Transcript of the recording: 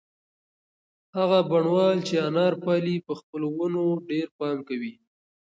هغه بڼوال چې انار پالي په خپلو ونو ډېر پام کوي.